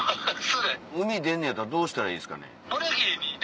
海出んのやったらどうしたらいいですかね？